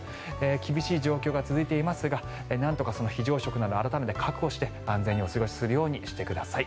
厳しい状況が続いていますがなんとか非常食など改めて確保して安全にお過ごしするようにしてください。